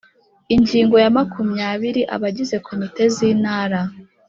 Ingingo ya makumyabiri Abagize Komite z Intara